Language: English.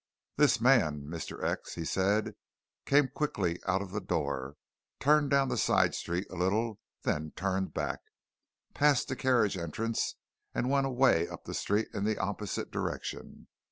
"This man Mr. X," he said, "came quickly out of the door, turned down the side street a little, then turned back, passed the carriage entrance, and went away up the street in the opposite direction.